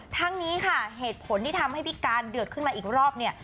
ทั้งนี้ค่ะเหตุผลที่ทำให้พิการเดือดขึ้นมาอีกรอบเนี่ย